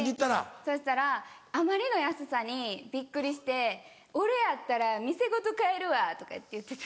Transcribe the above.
そしたらあまりの安さにびっくりして「俺やったら店ごと買えるわ」とかって言ってて。